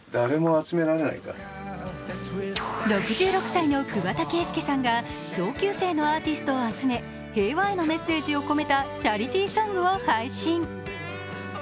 ６６歳の桑田佳祐さんが同級生のアーティストを集め平和へのメッセージを込めたチャリティーソングを配信。